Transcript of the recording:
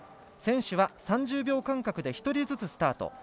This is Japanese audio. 選手は３０秒間隔で１人ずつスタート。